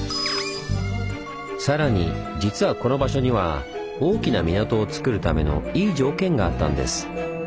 さらに実はこの場所には大きな港をつくるためのいい条件があったんです。